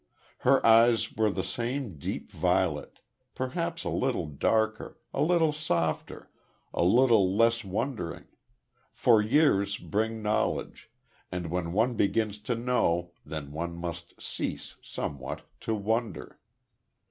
Her eyes were the same deep violet perhaps a little darker a little softer a little less wondering; for years bring knowledge, and when one begins to know, then one must cease, somewhat, to wonder.